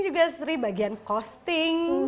juga sri bagian costing